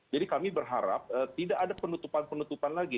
jadi kami berharap tidak ada penutupan penutupan lagi